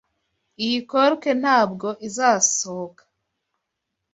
Iyi cork ntabwo izasohoka.